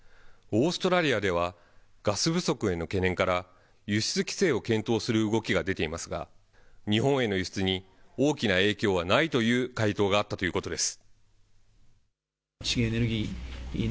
オーストラリアでは、ガス不足への懸念から、輸出規制を検討する動きが出ていますが、日本への輸出に大きな影響はないという回答があったということです。